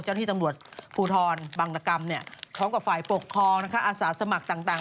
เจ้าหน้าที่ตำรวจภูทรบังรกรรมพร้อมกับฝ่ายปกครองอาสาสมัครต่าง